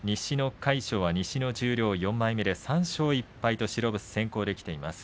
魁勝が西の十両４枚目で３勝１敗で白星先行できています。